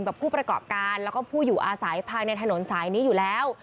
กับผู้ประกอบการแล้วก็ผู้อยู่อาศัยภายในถนนสายนี้อยู่แล้ว